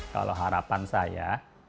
kalau harapan saya